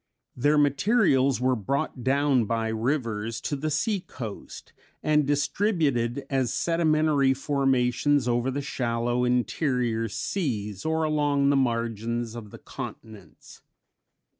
Their materials were brought down by rivers to the sea coast, and distributed as sedimentary formations over the shallow interior seas or along the margins of the continents.